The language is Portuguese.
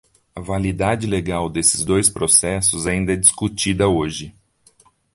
A validade legal desses dois processos ainda é discutida hoje.